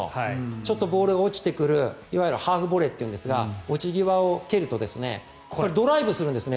ちょっとボールが落ちてくるいわゆるハーフボレーっていうんですが落ち際を蹴るとこれ、ドライブするんですね。